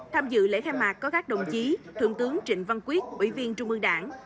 tham dự lễ khai mạc có các đồng chí thượng tướng trịnh văn quyết ủy viên trung ương đảng